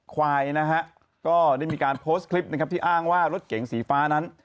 ควายนะฮะก็ได้มีการโพสต์คลิปนะครับที่อ้างว่ารถเก๋งสีฟ้านั้น